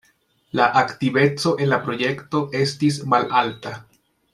La aktiveco en la projekto estis malalta.